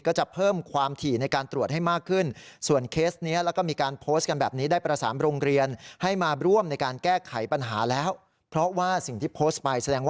ก็จะเพิ่มความถี่ในการตรวจให้มากขึ้น